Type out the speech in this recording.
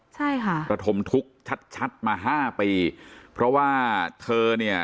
ใช่ค่ะประทมทุกข์ชัดชัดมาห้าปีเพราะว่าเธอเนี่ย